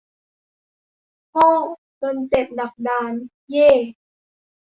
โง่จนเจ็บ ดักดาน เย้ !